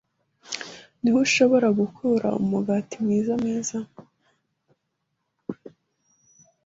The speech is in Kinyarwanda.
Ni he ushobora gukura umugati mwiza mwiza?